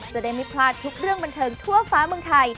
จะได้ไม่พลาดทุกเรื่องบันเทิงทั่วฟ้าเมืองไทย